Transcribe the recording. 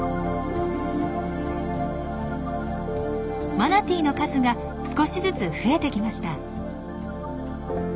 マナティーの数が少しずつ増えてきました。